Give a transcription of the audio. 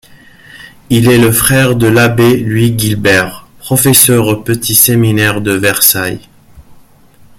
Il est le frère de l'abbé Louis Guilbert, professeur au petit séminaire de Versailles.